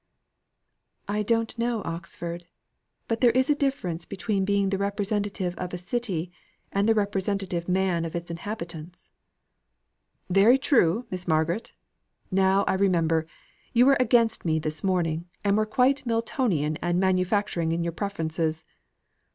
"I don't know Oxford. But there is a difference between being the representative of a city and the representative man of its inhabitants." "Very true, Miss Margaret. Now I remember, you were against me this morning, and were quite Miltonian and manufacturing in your preferences."